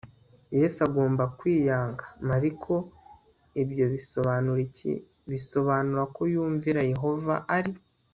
Yesu agomba kwiyanga Mariko Ibyo bisobanura iki Bisobanura ko kumvira Yehova ari